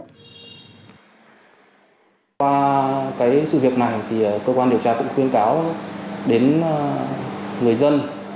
qua sự việc này thì cơ quan điều tra cũng khuyên cáo đến người dân